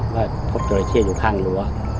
ว่าพบจริงเข้าอยู่ข้างหลัว